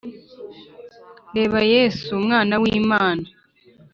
reba yesu umwana w'imana